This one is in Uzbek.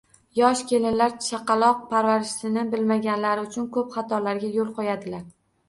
Yosh kelinlar chaqaloq parvarishlashni bilmaganlari uchun ko‘p xatolarga yo‘l qo‘yadilar.